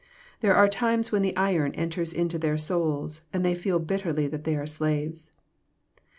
There are times when the iron enters into their souls, and they feel bitterly that they are slaves.